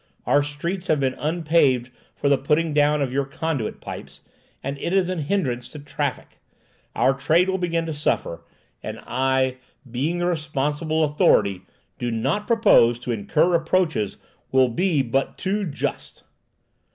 Our streets have been unpaved for the putting down of your conduit pipes, and it is a hindrance to traffic. Our trade will begin to suffer, and I, being the responsible authority, do not propose to incur reproaches which will be but too just."